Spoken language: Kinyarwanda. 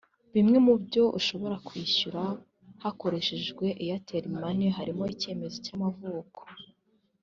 Bimwe mu byo ushobora kwishyura hakoreshejwe Airtel Money harimo icyemezo cy’amavuko